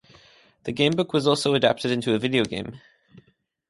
The gamebook was also adapted into a video game.